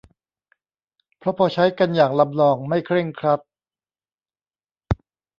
เพราะพอใช้กันอย่างลำลองไม่เคร่งครัด